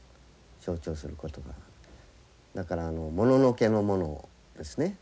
だからもののけの「物」ですね。